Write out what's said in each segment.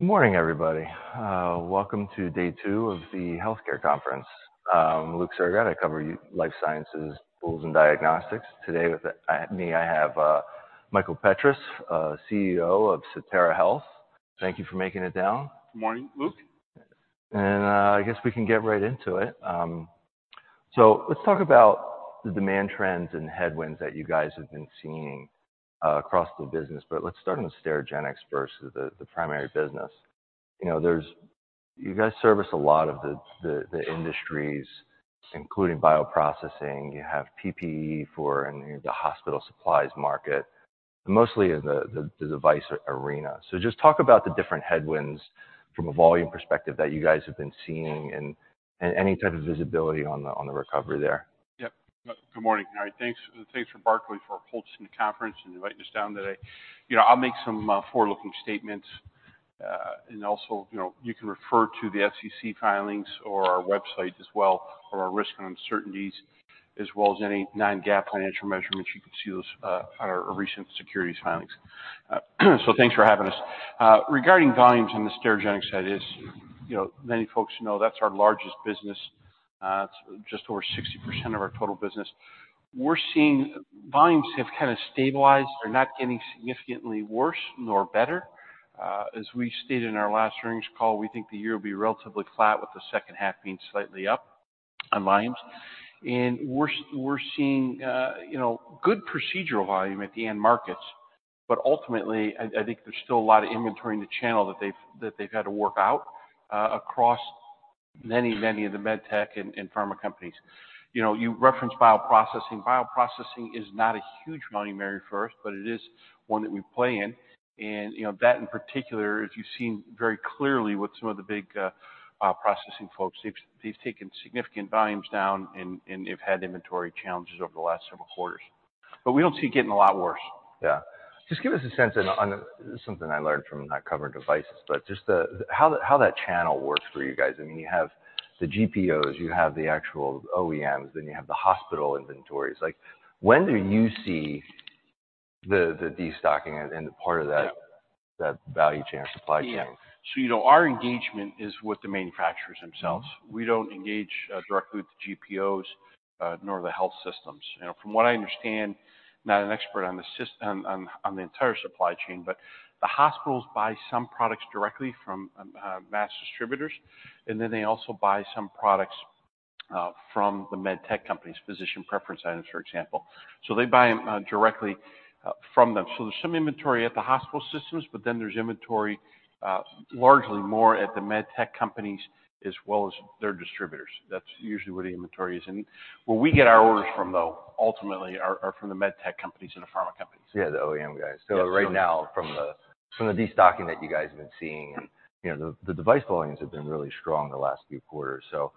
Good morning, everybody. Welcome to day two of the healthcare conference. Luke Sergott, I cover life sciences, tools, and diagnostics. Today with me, I have Michael Petras, CEO of Sotera Health. Thank you for making it down. Good morning, Luke. I guess we can get right into it. So let's talk about the demand trends and headwinds that you guys have been seeing, across the business. But let's start on the Sterigenics versus the primary business. You know, there's you guys service a lot of the industries, including bioprocessing. You have PPE for in, you know, the hospital supplies market, and mostly in the device arena. So just talk about the different headwinds from a volume perspective that you guys have been seeing and any type of visibility on the recovery there. Yep. Good morning, Harry. Thanks, thanks for Barclays for hosting the conference and inviting us down today. You know, I'll make some forward-looking statements. Also, you know, you can refer to the SEC filings or our website as well for our risk and uncertainties, as well as any non-GAAP financial measurements. You can see those on our recent securities filings. So, thanks for having us. Regarding volumes on the Sterigenics side, as you know, many folks know, that's our largest business. It's just over 60% of our total business. We're seeing volumes have kinda stabilized. They're not getting significantly worse nor better. As we stated in our last earnings call, we think the year will be relatively flat, with the second half being slightly up on volumes. And we're seeing, you know, good procedural volume at the end markets. But ultimately, I think there's still a lot of inventory in the channel that they've had to work out, across many, many of the medtech and pharma companies. You know, you referenced bioprocessing. Bioprocessing is not a huge volume area first, but it is one that we play in. And, you know, that in particular, as you've seen very clearly with some of the big processing folks, they've taken significant volumes down and have had inventory challenges over the last several quarters. But we don't see it getting a lot worse. Yeah. Just give us a sense on something I learned from not covering devices, but just the how that channel works for you guys. I mean, you have the GPOs. You have the actual OEMs. Then you have the hospital inventories. Like, when do you see the destocking and part of that. Yeah. That value chain or supply chain? Yeah. So, you know, our engagement is with the manufacturers themselves. We don't engage directly with the GPOs, nor the health systems. You know, from what I understand, not an expert on the entire supply chain, but the hospitals buy some products directly from mass distributors. And then they also buy some products from the medtech companies, physician preference items, for example. So they buy them directly from them. So there's some inventory at the hospital systems, but then there's inventory, largely more at the medtech companies as well as their distributors. That's usually where the inventory is. And where we get our orders from, though, ultimately, are from the medtech companies and the pharma companies. Yeah, the OEM guys. Yeah, so. So right now, from the destocking that you guys have been seeing and, you know, the device volumes have been really strong the last few quarters. So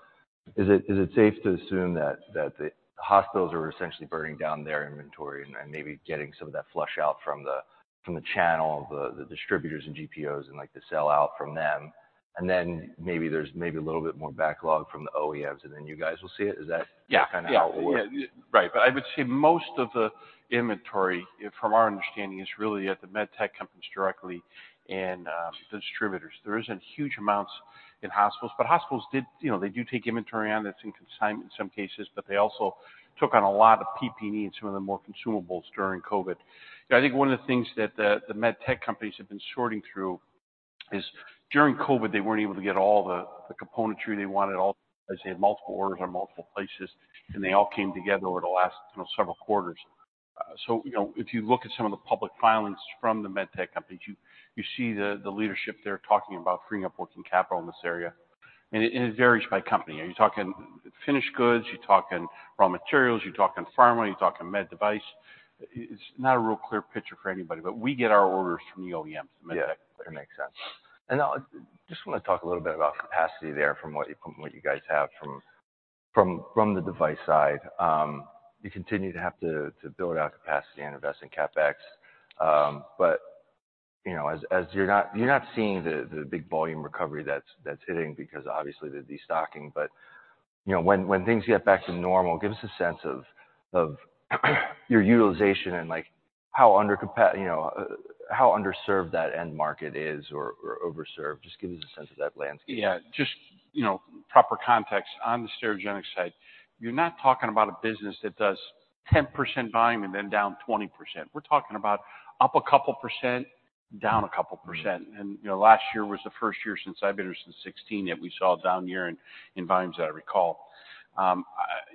is it safe to assume that the hospitals are essentially burning down their inventory and maybe getting some of that flush out from the channel of the distributors and GPOs and, like, to sell out from them? And then maybe there's a little bit more backlog from the OEMs, and then you guys will see it? Is that. Yeah. Kinda how it will work? Yeah. Yeah. Right. But I would say most of the inventory, from our understanding, is really at the medtech companies directly and the distributors. There isn't huge amounts in hospitals. But hospitals, did you know, they do take inventory on. That's in consignment in some cases. But they also took on a lot of PPE and some of the more consumables during COVID. You know, I think one of the things that the, the medtech companies have been sorting through is during COVID, they weren't able to get all the, the componentry they wanted. All the times, they had multiple orders on multiple places, and they all came together over the last, you know, several quarters. So, you know, if you look at some of the public filings from the medtech companies, you, you see the, the leadership there talking about freeing up working capital in this area. And it varies by company. Are you talking finished goods? You're talking raw materials? You're talking pharma? You're talking med device? It's not a real clear picture for anybody. But we get our orders from the OEMs, the medtech. Yeah. That makes sense. And now, just wanna talk a little bit about capacity there from what you guys have from the device side. You continue to have to build out capacity and invest in CapEx. But, you know, as you're not seeing the big volume recovery that's hitting because, obviously, the destocking. But, you know, when things get back to normal, give us a sense of your utilization and, like, you know, how underserved that end market is or overserved. Just give us a sense of that landscape. Yeah. Just, you know, proper context. On the Sterigenics side, you're not talking about a business that does 10% volume and then down 20%. We're talking about up a couple percent, down a couple percent. And, you know, last year was the first year since I've been here since 2016 that we saw a down year in volumes that I recall.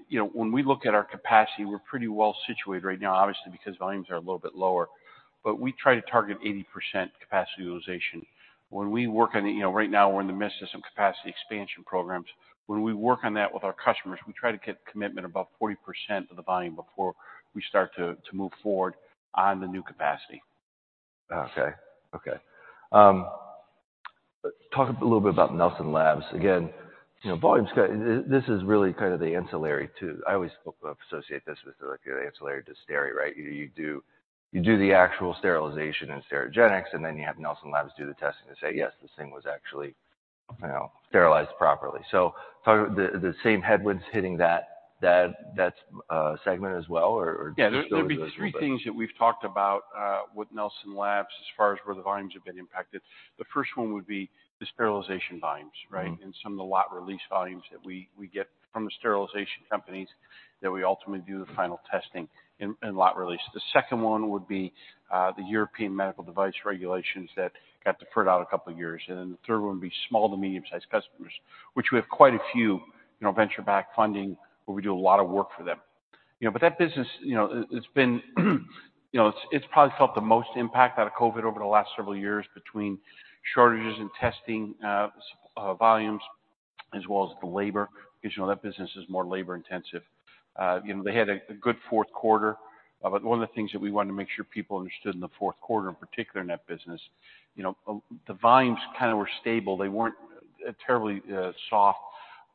You know, when we look at our capacity, we're pretty well situated right now, obviously, because volumes are a little bit lower. But we try to target 80% capacity utilization. When we work on the, you know, right now, we're in the midst of some capacity expansion programs. When we work on that with our customers, we try to get commitment above 40% of the volume before we start to move forward on the new capacity. Okay. Okay. Talk a little bit about Nelson Labs. Again, you know, volume's kinda this is really kinda the ancillary too. I always spoke of associate this with, like, the ancillary to Steri, right? You do the actual sterilization in Sterigenics, and then you have Nelson Labs do the testing to say, "Yes, this thing was actually, you know, sterilized properly." So talk about the same headwinds hitting that segment as well, or still is there? Yeah. There'd be three things that we've talked about, with Nelson Labs as far as where the volumes have been impacted. The first one would be the sterilization volumes, right, and some of the lot release volumes that we get from the sterilization companies that we ultimately do the final testing in lot release. The second one would be the European Medical Device Regulations that got deferred out a couple years. And then the third one would be small to medium-sized customers, which we have quite a few, you know, venture-backed funding where we do a lot of work for them. You know, but that business, you know, it's been you know, it's probably felt the most impact out of COVID over the last several years between shortages in testing volumes, as well as the labor because, you know, that business is more labor-intensive. You know, they had a good fourth quarter. But one of the things that we wanted to make sure people understood in the fourth quarter, in particular in that business, you know, the volumes kinda were stable. They weren't terribly soft.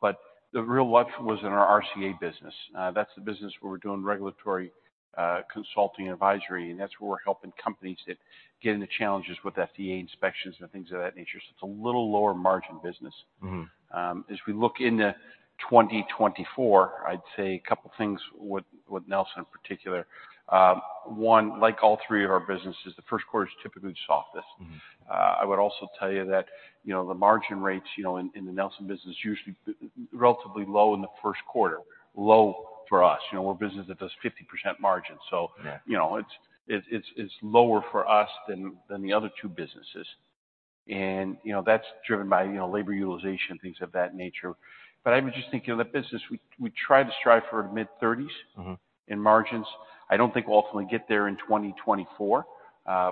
But the real luxury was in our RCA business. That's the business where we're doing regulatory consulting and advisory. And that's where we're helping companies that get into challenges with FDA inspections and things of that nature. So it's a little lower-margin business. Mm-hmm. As we look into 2024, I'd say a couple things with, with Nelson in particular. One, like all three of our businesses, the first quarter is typically the softest. Mm-hmm. I would also tell you that, you know, the margin rates, you know, in the Nelson business, usually be relatively low in the first quarter, low for us. You know, we're a business that does 50% margin. So. Yeah. You know, it's lower for us than the other two businesses. And, you know, that's driven by, you know, labor utilization, things of that nature. But I would just think, you know, that business, we try to strive for a mid-30s. Mm-hmm. In margins. I don't think we'll ultimately get there in 2024,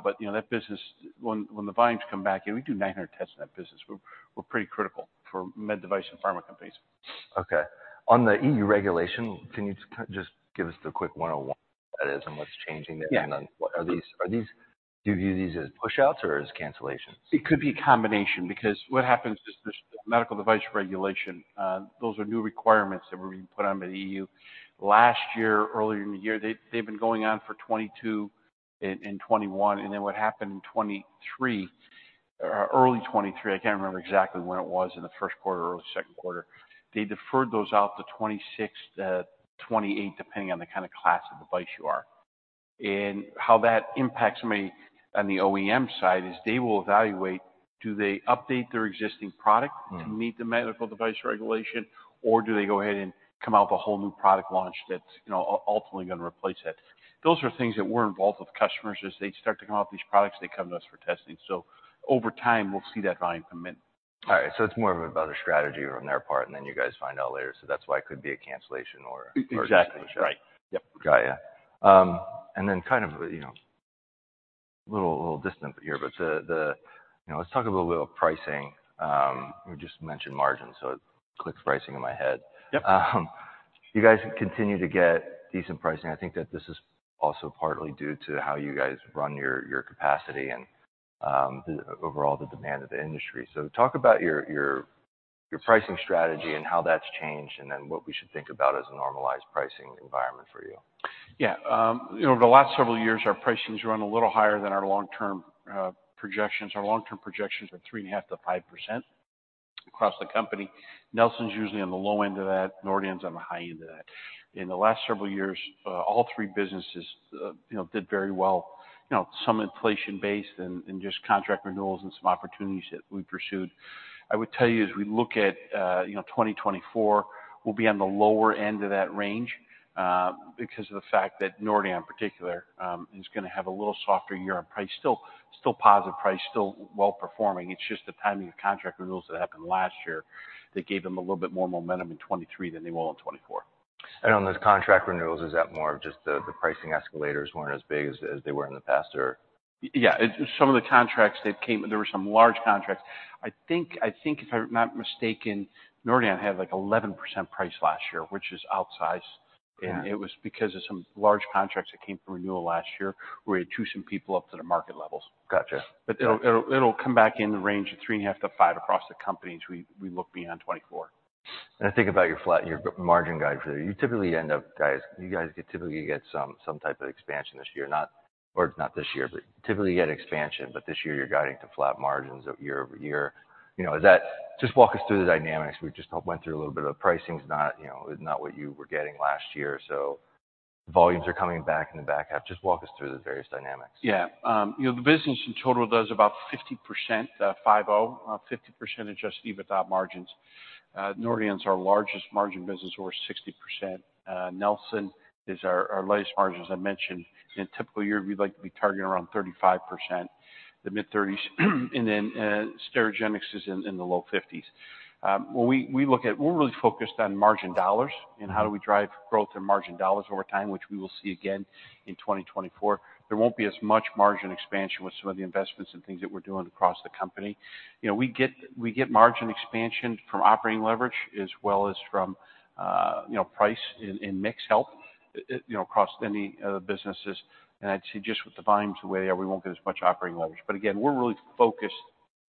but, you know, that business, when, when the volumes come back and we do 900 tests in that business, we're, we're pretty critical for med device and pharma companies. Okay. On the EU regulation, can you just give us the quick 101 what that is and what's changing there? Yeah. What are these? Do you view these as push-outs or as cancellations? It could be a combination because what happens is there's the Medical Device Regulation. Those are new requirements that were being put on by the EU last year, earlier in the year. They've been going on for 2022 and 2021. And then what happened in 2023, early 2023, I can't remember exactly when it was in the first quarter, early second quarter, they deferred those out to 2026-2028, depending on the kind of class of device you are. And how that impacts me on the OEM side is they will evaluate, do they update their existing product. Mm-hmm. To meet the Medical Device Regulation, or do they go ahead and come out with a whole new product launch that's, you know, ultimately gonna replace it? Those are things that we're involved with customers. As they start to come out with these products, they come to us for testing. So over time, we'll see that volume commit. All right. So it's more of a strategy on their part, and then you guys find out later. So that's why it could be a cancellation or. Exactly. Right. Yep. Got you. Then kind of, you know, a little, little distant here, but the, the you know, let's talk a little bit about pricing. You just mentioned margins, so it clicks pricing in my head. Yep. You guys continue to get decent pricing. I think that this is also partly due to how you guys run your capacity and the overall demand of the industry. So talk about your pricing strategy and how that's changed and then what we should think about as a normalized pricing environment for you. Yeah, you know, over the last several years, our pricing's run a little higher than our long-term projections. Our long-term projections are 3.5%-5% across the company. Nelson's usually on the low end of that. Nordion's on the high end of that. In the last several years, all three businesses, you know, did very well, you know, some inflation-based and just contract renewals and some opportunities that we pursued. I would tell you, as we look at, you know, 2024, we'll be on the lower end of that range, because of the fact that Nordion, in particular, is gonna have a little softer year on price, still positive price, still well-performing. It's just the timing of contract renewals that happened last year that gave them a little bit more momentum in 2023 than they will in 2024. On those contract renewals, is that more of just the pricing escalators weren't as big as they were in the past, or? Yeah. Some of the contracts, they came. There were some large contracts. I think, if I'm not mistaken, Nordion had, like, 11% price last year, which is outsized. Mm-hmm. It was because of some large contracts that came from renewal last year where we had to some people up to the market levels. Gotcha. But it'll come back in the range of 3.5-5 across the companies we look beyond 2024. And I think about your flat gross margin guide for the year. You typically end up guys, you guys typically get some type of expansion this year, not or not this year, but typically you get expansion. But this year, you're guiding to flat margins year-over-year. You know, is that just walk us through the dynamics. We just went through a little bit of the pricing's not, you know, not what you were getting last year. So volumes are coming back in the back half. Just walk us through the various dynamics. Yeah, you know, the business in total does about 50%-50% adjusted EBITDA margins. Nordion's our largest margin business, over 60%. Nelson is our latest margins, as I mentioned. In a typical year, we'd like to be targeting around 35%, the mid-30s. And then, Sterigenics is in the low 50s. When we look at, we're really focused on margin dollars and how do we drive growth in margin dollars over time, which we will see again in 2024. There won't be as much margin expansion with some of the investments and things that we're doing across the company. You know, we get margin expansion from operating leverage as well as from, you know, price and mix help, you know, across any businesses. And I'd say just with the volumes, the way they are, we won't get as much operating leverage. But again, we're really focused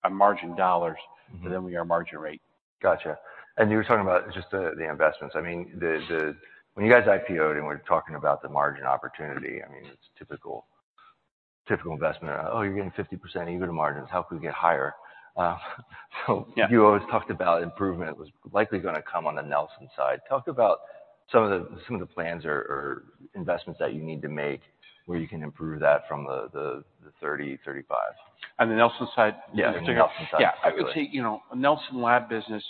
on margin dollars. Mm-hmm. Then we are margin rate. Gotcha. And you were talking about just the investments. I mean, the when you guys IPO'd and we're talking about the margin opportunity, I mean, it's typical investment. "Oh, you're getting 50% EBITDA margins. How can we get higher?" so. Yeah. You always talked about improvement was likely gonna come on the Nelson side. Talk about some of the plans or investments that you need to make where you can improve that from the 30-35. On the Nelson side. Yeah. Yeah. I would say, you know, Nelson Labs business,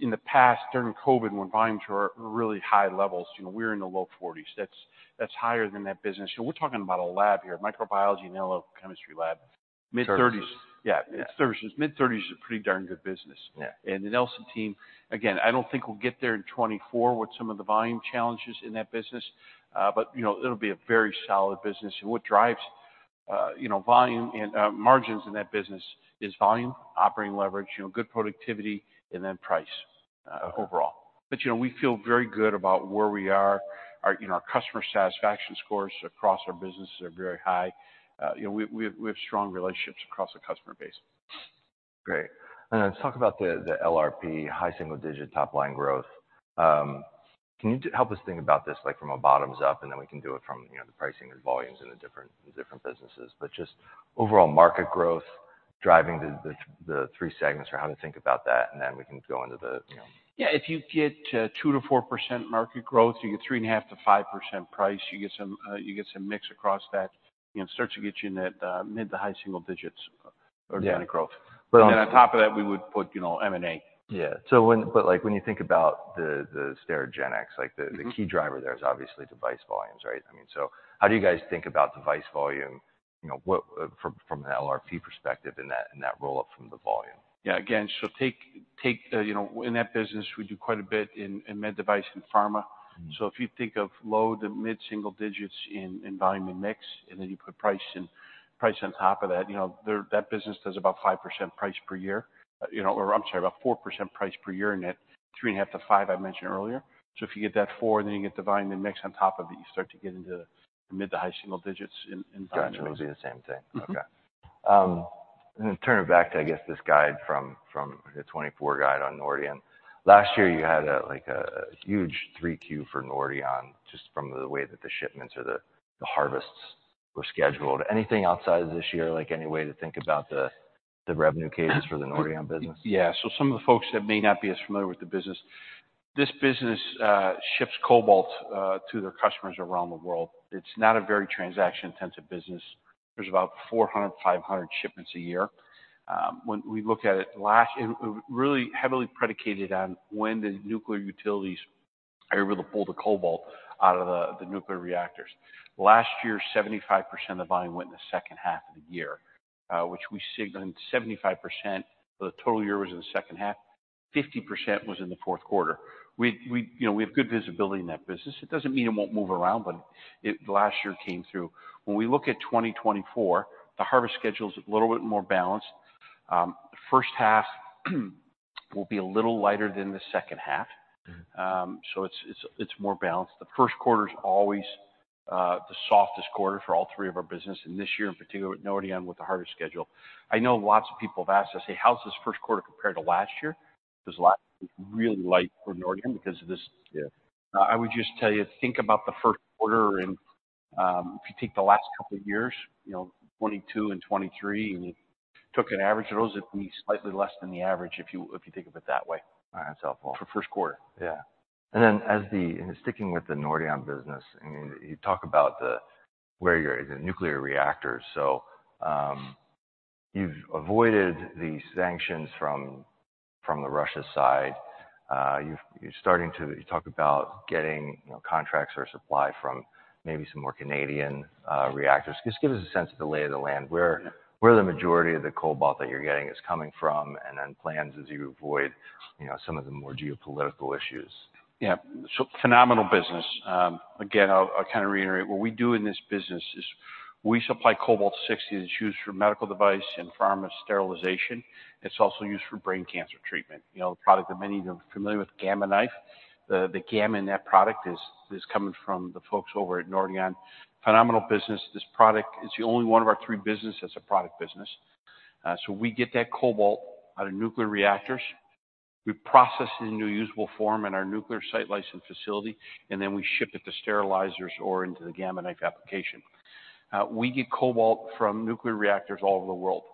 in the past, during COVID, when volumes were at really high levels, you know, we were in the low 40s. That's, that's higher than that business. You know, we're talking about a lab here, Microbiology and Analytical Chemistry Lab, mid-30s. Steri. Yeah. Yeah. It's Steri. Mid-30s is a pretty darn good business. Yeah. The Nelson team, again, I don't think we'll get there in 2024 with some of the volume challenges in that business. But, you know, it'll be a very solid business. And what drives, you know, volume and margins in that business is volume, operating leverage, you know, good productivity, and then price, overall. Okay. But, you know, we feel very good about where we are. Our, you know, our customer satisfaction scores across our businesses are very high. You know, we have strong relationships across the customer base. Great. And then let's talk about the LRP, high single-digit top-line growth. Can you help us think about this, like, from a bottoms-up, and then we can do it from, you know, the pricing and volumes in the different businesses. But just overall market growth driving the three segments or how to think about that, and then we can go into the, you know. Yeah. If you get 2%-4% market growth, you get 3.5%-5% price. You get some, you get some mix across that. You know, it starts to get you in that mid- to high single-digits organic growth. Yeah. Well, and. On top of that, we would put, you know, M&A. Yeah. So, like, when you think about the Sterigenics, like, the key driver there is obviously device volumes, right? I mean, so how do you guys think about device volume? You know, what from an LRP perspective in that roll-up from the volume? Yeah. Again, so take, you know, what in that business we do quite a bit in med device and pharma. Mm-hmm. So if you think of low to mid single-digits in, in volume and mix, and then you put price in price on top of that, you know, there that business does about 5% price per year, you know, or I'm sorry, about 4% price per year in that 3.5-5 I mentioned earlier. So if you get that 4, and then you get the volume and mix on top of it, you start to get into the mid to high single-digits in, in volume and mix. Gotcha. It'll be the same thing. Okay. And then turn it back to, I guess, this guide from the 2024 guide on Nordion. Last year, you had a, like, huge 3Q for Nordion just from the way that the shipments or the harvests were scheduled. Anything outside of this year, like, any way to think about the revenue cadence for the Nordion business? Yeah. So some of the folks that may not be as familiar with the business, this business, ships cobalt to their customers around the world. It's not a very transaction-intensive business. There's about 400-500 shipments a year. When we look at it, it really heavily predicated on when the nuclear utilities are able to pull the cobalt out of the nuclear reactors. Last year, 75% of the volume went in the second half of the year, which we signaled 75% of the total year was in the second half, 50% was in the fourth quarter. We, you know, we have good visibility in that business. It doesn't mean it won't move around, but it last year came through. When we look at 2024, the harvest schedule's a little bit more balanced. First half will be a little lighter than the second half. Mm-hmm. So it's more balanced. The first quarter's always the softest quarter for all three of our business. And this year in particular, with Nordion with the hardest schedule. I know lots of people have asked us, "Hey, how's this first quarter compared to last year?" 'Cause last year was really light for Nordion because of this. Yeah. I would just tell you, think about the first quarter and, if you take the last couple years, you know, 2022 and 2023, and you took an average of those, it'd be slightly less than the average if you think of it that way. All right. That's helpful. For first quarter. Yeah. And then sticking with the Nordion business, I mean, you talk about where you're in the nuclear reactors. So, you've avoided the sanctions from the Russia side. You're starting to talk about getting, you know, contracts or supply from maybe some more Canadian reactors. Just give us a sense of the lay of the land, where the majority of the cobalt that you're getting is coming from, and then plans as you avoid, you know, some of the more geopolitical issues. Yeah. So phenomenal business. Again, I'll kinda reiterate. What we do in this business is we supply cobalt-60 that's used for medical device and pharma sterilization. It's also used for brain cancer treatment. You know, the product that many of you are familiar with, Gamma Knife, the gamma in that product is coming from the folks over at Nordion. Phenomenal business. This product it's the only one of our three businesses that's a product business. So we get that cobalt out of nuclear reactors. We process it in a new usable form in our nuclear site license facility, and then we ship it to sterilizers or into the Gamma Knife application. We get cobalt from nuclear reactors all over the world.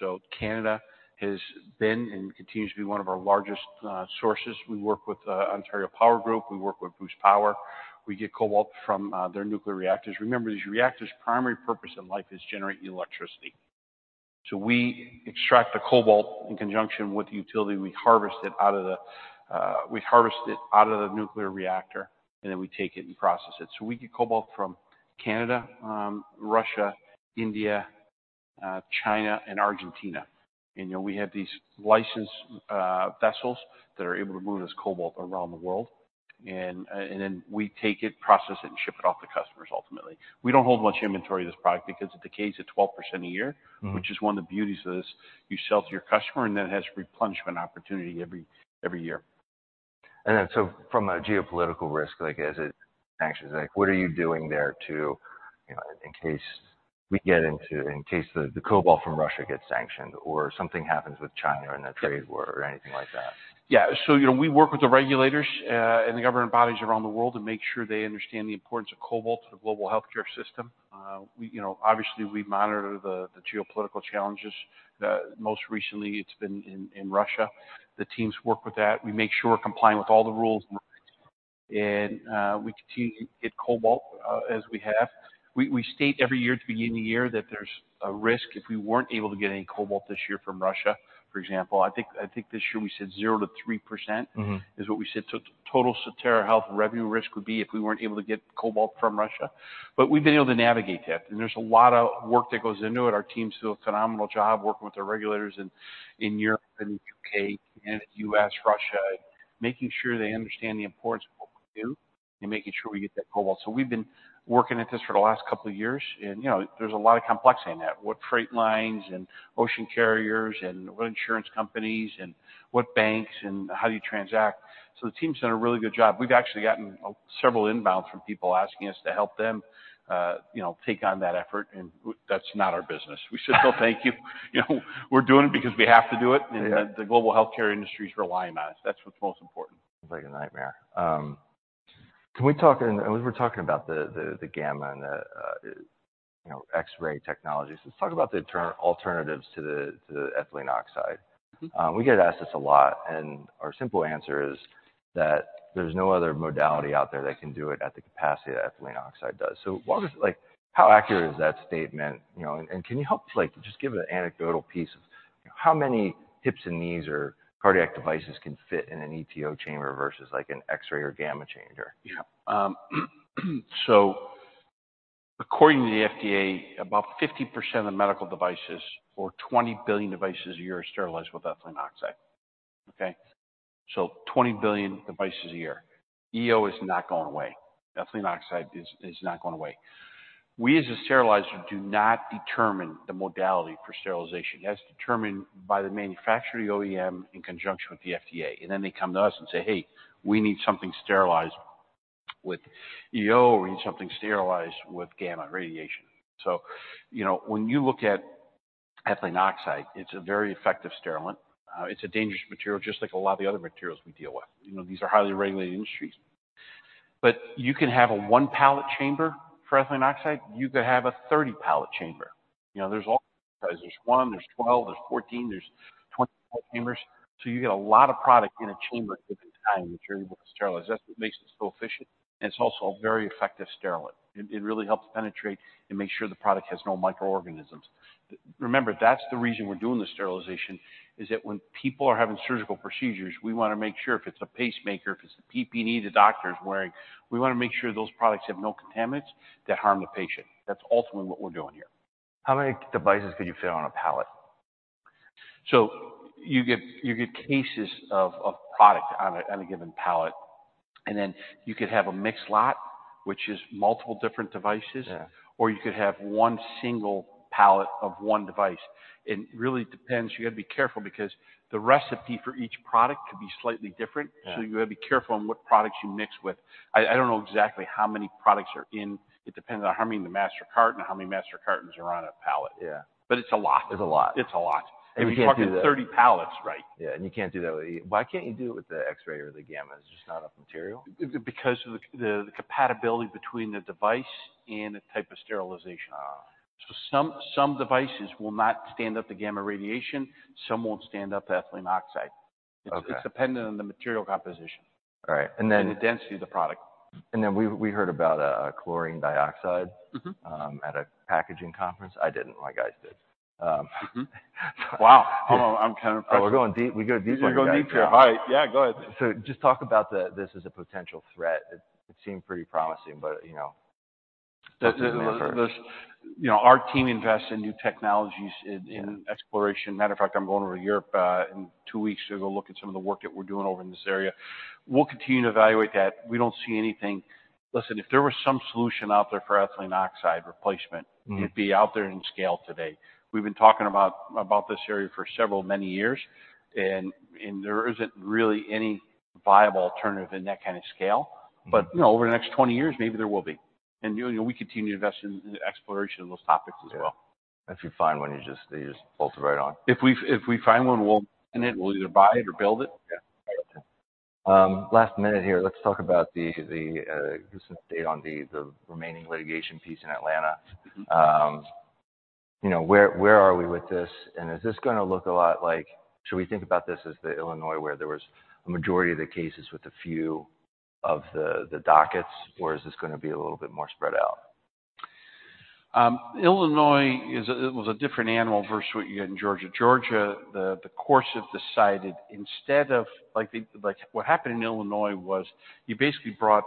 So Canada has been and continues to be one of our largest sources. We work with Ontario Power Generation. We work with Bruce Power. We get cobalt from their nuclear reactors. Remember, these reactors' primary purpose in life is generating electricity. So we extract the cobalt in conjunction with the utility. We harvest it out of the nuclear reactor, and then we take it and process it. So we get cobalt from Canada, Russia, India, China, and Argentina. And, you know, we have these licensed vessels that are able to move this cobalt around the world. And then we take it, process it, and ship it off to customers ultimately. We don't hold much inventory of this product because it decays at 12% a year. Mm-hmm. Which is one of the beauties of this. You sell to your customer, and then it has replenishment opportunity every year. From a geopolitical risk, like, as sanctions, like, what are you doing there to, you know, in case the cobalt from Russia gets sanctioned or something happens with China in that trade war or anything like that? Yeah. So, you know, we work with the regulators, and the government bodies around the world to make sure they understand the importance of cobalt to the global healthcare system. We, you know, obviously, we monitor the geopolitical challenges. Most recently, it's been in Russia. The teams work with that. We make sure we're complying with all the rules. And, we continue to get cobalt, as we have. We state every year at the beginning of the year that there's a risk if we weren't able to get any cobalt this year from Russia, for example. I think this year we said 0%-3%. Mm-hmm. is what we said the total Sotera Health revenue risk would be if we weren't able to get cobalt from Russia. But we've been able to navigate that. And there's a lot of work that goes into it. Our teams do a phenomenal job working with the regulators in Europe and the U.K., Canada, U.S., Russia, making sure they understand the importance of what we do and making sure we get that cobalt. So we've been working at this for the last couple years. And, you know, there's a lot of complexity in that, what freight lines and ocean carriers and what insurance companies and what banks and how do you transact. So the teams done a really good job. We've actually gotten several inbounds from people asking us to help them, you know, take on that effort. And that's not our business. We said, "Well, thank you." You know, we're doing it because we have to do it. Yeah. The global healthcare industry's relying on us. That's what's most important. Sounds like a nightmare. Can we talk, and we were talking about the gamma and the, you know, X-ray technologies. Let's talk about the other alternatives to the ethylene oxide. Mm-hmm. We get asked this a lot. Our simple answer is that there's no other modality out there that can do it at the capacity that ethylene oxide does. So walk us like, how accurate is that statement? You know, and, and can you help, like, just give an anecdotal piece of, you know, how many hips and knees or cardiac devices can fit in an ETO chamber versus, like, an X-ray or gamma chamber? Yeah. So according to the FDA, about 50% of medical devices or 20 billion devices a year are sterilized with ethylene oxide. Okay? So 20 billion devices a year. EO is not going away. Ethylene oxide is not going away. We, as a sterilizer, do not determine the modality for sterilization. It has to be determined by the manufacturer, the OEM, in conjunction with the FDA. And then they come to us and say, "Hey, we need something sterilized with EO, or we need something sterilized with gamma radiation." So, you know, when you look at ethylene oxide, it's a very effective sterilant. It's a dangerous material just like a lot of the other materials we deal with. You know, these are highly regulated industries. But you can have a 1-pallet chamber for ethylene oxide. You could have a 30-pallet chamber. You know, there's all kinds of sizes. There's 1. There's 12. There's 14. There's 20-pallet chambers. So you get a lot of product in a chamber at a given time that you're able to sterilize. That's what makes it so efficient. And it's also a very effective sterilant. It, it really helps penetrate and make sure the product has no microorganisms. Remember, that's the reason we're doing the sterilization, is that when people are having surgical procedures, we wanna make sure if it's a pacemaker, if it's the PPE the doctor's wearing, we wanna make sure those products have no contaminants that harm the patient. That's ultimately what we're doing here. How many devices could you fit on a pallet? So you get cases of product on a given pallet. And then you could have a mixed lot, which is multiple different devices. Yeah. Or you could have one single pallet of one device. It really depends. You gotta be careful because the recipe for each product could be slightly different. Yeah. So you gotta be careful on what products you mix with. I don't know exactly how many products are in. It depends on how many in the master carton and how many master cartons are on a pallet. Yeah. But it's a lot. It's a lot. It's a lot. You can't do. We're talking 30 pallets, right? Yeah. And you can't do that with the. Why can't you do it with the X-ray or the gamma? It's just not enough material? because of the compatibility between the device and the type of sterilization. Oh. So some devices will not stand up to gamma radiation. Some won't stand up to ethylene oxide. Okay. It's dependent on the material composition. All right. And then. The density of the product. And then we heard about a chlorine dioxide. Mm-hmm. At a packaging conference. I didn't. My guys did. Mm-hmm. So. Wow. Hold on. I'm kinda impressed. Oh, we're going deep. We go deep on that guy. Yeah. We're going deep here. All right. Yeah. Go ahead. So just talk about this as a potential threat. It, it seemed pretty promising, but, you know, it doesn't necessarily. There's this, you know, our team invests in new technologies in exploration. Matter of fact, I'm going over to Europe in two weeks to go look at some of the work that we're doing over in this area. We'll continue to evaluate that. We don't see anything. Listen, if there was some solution out there for ethylene oxide replacement. Mm-hmm. It'd be out there in scale today. We've been talking about this area for several, many years. And there isn't really any viable alternative in that kind of scale. Mm-hmm. But, you know, over the next 20 years, maybe there will be. And, you know, we continue to invest in exploration of those topics as well. Yeah. If you find one, you just bolt it right on. If we find one, we'll make it. We'll either buy it or build it. Yeah. All right. Last minute here. Let's talk about the recent state on the remaining litigation piece in Atlanta. Mm-hmm. You know, where are we with this? And is this gonna look a lot like should we think about this as the Illinois where there was a majority of the cases with a few of the dockets, or is this gonna be a little bit more spread out? Illinois, it was a different animal versus what you get in Georgia. Georgia, the courts have decided instead of like what happened in Illinois was you basically brought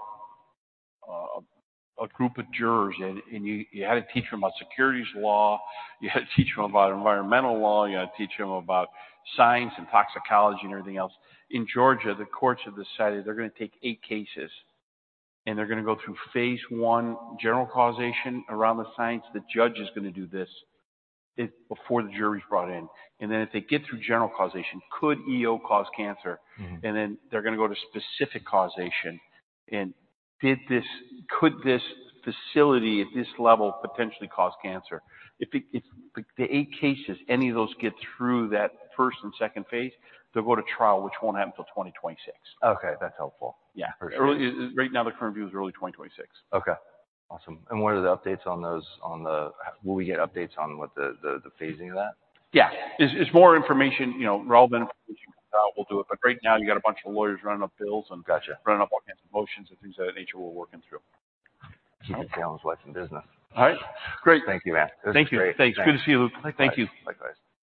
a group of jurors in, and you had to teach them about securities law. You had to teach them about environmental law. You had to teach them about science and toxicology and everything else. In Georgia, the courts have decided they're gonna take 8 cases, and they're gonna go through phase one general causation around the science. The judge is gonna do this before the jury's brought in. And then if they get through general causation, could EO cause cancer? Mm-hmm. Then they're gonna go to specific causation and could this facility at this level potentially cause cancer? If, like, the eight cases, any of those get through that first and second phase, they'll go to trial, which won't happen till 2026. Okay. That's helpful. Yeah. For sure. Early is right now, the current view is early 2026. Okay. Awesome. And what are the updates on those? Will we get updates on what the phasing of that? Yeah. If more information, you know, relevant information comes out, we'll do it. But right now, you got a bunch of lawyers running up bills and. Gotcha. Running up all kinds of motions and things of that nature, we're working through. Keep it sailing with what's in business. All right. Great. Thank you, man. Thank you. Great. Thanks. Good to see you. All right. Thank you. Likewise.